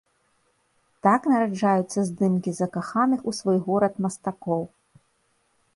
Так нараджаюцца здымкі закаханых у свой горад мастакоў.